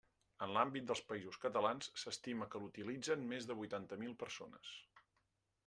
En l'àmbit dels Països Catalans, s'estima que l'utilitzen més de vuitanta mil persones.